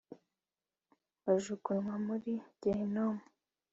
wajugunywa muri gehinomu